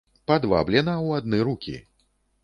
Па два бліна ў адны рукі!